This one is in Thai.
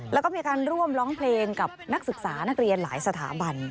แล้วก็มีการร่วมร้องเพลงกับนักศึกษานักเรียนหลายสถาบัน